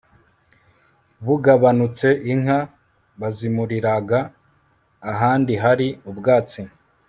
bugabanutse, inka bazimuriraga ahandi hari ubwatsi